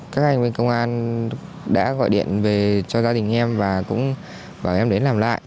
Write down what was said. các anh bên công an đã gọi điện về cho gia đình em và cũng bảo em đến làm lại